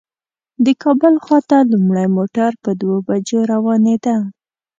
د کابل خواته لومړی موټر په دوو بجو روانېده.